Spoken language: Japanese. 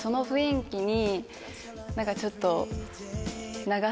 何かちょっと。